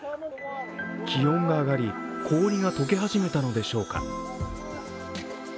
気温が上がり、氷が解け始めたのでしょうか。